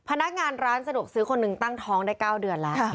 พนักงานร้านสะดวกซื้อคนหนึ่งตั้งท้องได้๙เดือนแล้ว